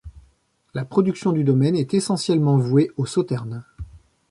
La production du domaine est essentiellement vouée au sauternes.